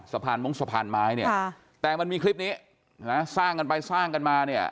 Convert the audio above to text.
สะพานมงสะพานไม้เนี่ยแต่มันมีคลิปนี้นะสร้างกันไปสร้างกันมาเนี่ย